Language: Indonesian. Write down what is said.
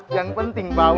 yang penting bawa duit